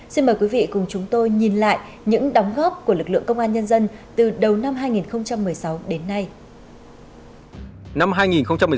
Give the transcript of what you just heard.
xin mời quý vị cùng chúng tôi nhìn lại những đóng góp của lực lượng công an nhân dân từ đầu năm hai nghìn một mươi sáu đến nay